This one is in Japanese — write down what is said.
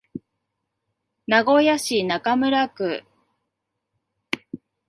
名古屋市中村区